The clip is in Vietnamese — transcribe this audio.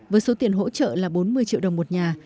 với số tiền hỗ trợ là bốn mươi triệu đồng một nhà